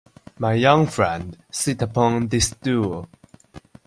My young friend, sit upon this stool.